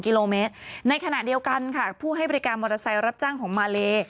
กิโลเมตรในขณะเดียวกันค่ะผู้ให้บริการมอเตอร์ไซค์รับจ้างของมาเล